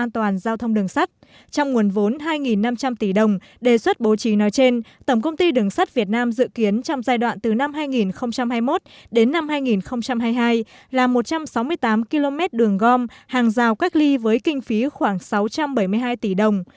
trong nguồn vốn hai năm trăm linh tỷ đồng đề xuất bố trí nói trên tổng công ty đường sắt việt nam dự kiến trong giai đoạn từ năm hai nghìn hai mươi một đến năm hai nghìn hai mươi hai là một trăm sáu mươi tám km đường gom hàng rào cách ly với kinh phí khoảng sáu trăm bảy mươi hai tỷ đồng